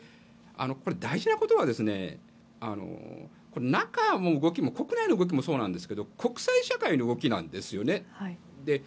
大事なことは国内の動きもそうなんですけど国際社会の動きなんですよね。